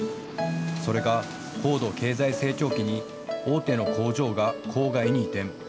それが高度経済成長期に大手の工場が郊外に移転。